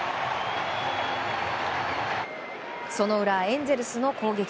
その裏、エンゼルスの攻撃。